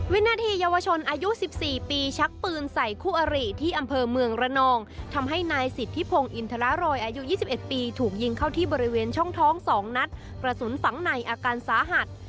วินาทีเยาวชนอายุ๑๔ปีชักปืนใส่คู่อริที่อำเภอเมืองระนองทำให้นายสิทธิพงศ์อินทรโรยอายุ๒๑ปีถูกยิงเข้าที่บริเวณช่องท้อง๒นัดกระสุนฝังในอาการสาหัส